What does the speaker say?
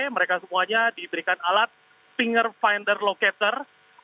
mereka semuanya diberikan alat finger finder locator